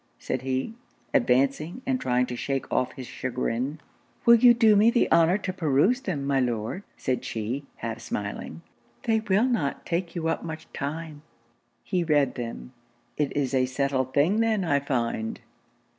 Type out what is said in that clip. said he, advancing and trying to shake off his chagrin. 'Will you do me the honour to peruse them, my Lord?' said she, half smiling. 'They will not take you up much time.' He read them. 'It is a settled thing then I find.